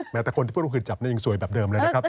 แม้แต่คนที่พูดว่าหืดจับยังสวยแบบเดิมเลยนะครับ